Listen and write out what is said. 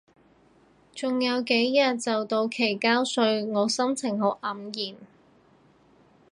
仲有幾日就到期交稅，我心情好黯然